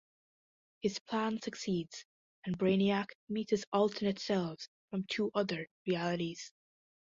His plan succeeds, and Brainiac meets his alternate selves from two other realities.